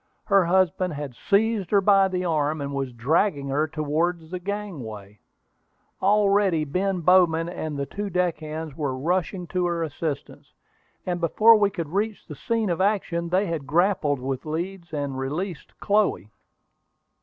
Her husband had seized her by the arm, and was dragging her towards the gangway. Already Ben Bowman and the two deck hands were rushing to her assistance, and before we could reach the scene of action they had grappled with Leeds, and released Chloe.